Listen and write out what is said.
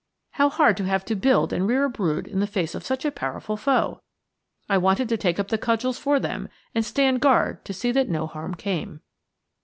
How hard to have to build and rear a brood in the face of such a powerful foe! I wanted to take up the cudgels for them and stand guard to see that no harm came.